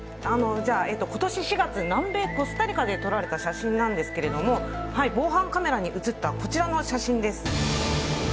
今年４月、南米コスタリカで撮られた写真なんですが防犯カメラに写ったこちらの写真です。